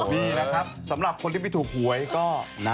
นี่แหละครับสำหรับคนที่ไม่ถูกหวยก็นะ